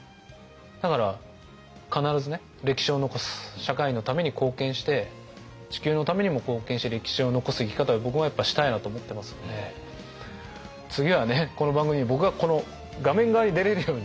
だから必ずね歴史を残す社会のために貢献して地球のためにも貢献して歴史を残す生き方を僕もやっぱしたいなと思ってますので次はねこの番組に僕がこの画面側に出れるように。